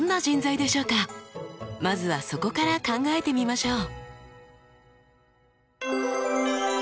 まずはそこから考えてみましょう。